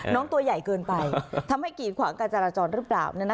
น้องตัวใหญ่เกินไปทำให้กีดขวางกันจราจรรย์รึเปล่า